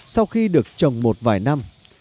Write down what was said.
sau khi được trồng một vài năm